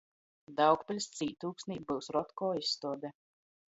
Daugpiļs cītūksnī byus Rotko izstuode.